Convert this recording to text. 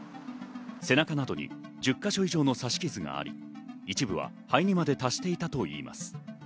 背中などに１０か所以上の刺し傷があり、一部は肺にまで達していたといいます。